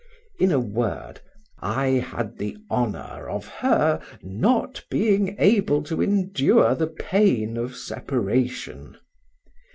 In a word, I had the honor of her not being able to endure the pain of separation.